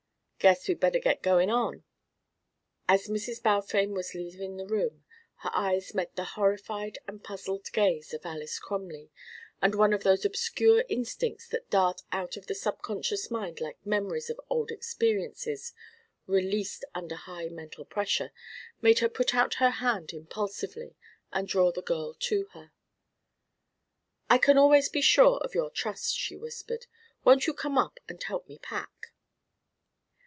Guess we'd better be gettin' on." As Mrs. Balfame was leaving the room, her eyes met the horrified and puzzled gaze of Alys Crumley, and one of those obscure instincts that dart out of the subconscious mind like memories of old experiences released under high mental pressure, made her put out her hand impulsively and draw the girl to her. "I can always be sure of your trust," she whispered. "Won't you come up and help me pack?"